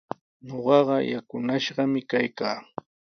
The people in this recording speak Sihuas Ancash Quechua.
Ñuqaqa yakunashqami kaykaa.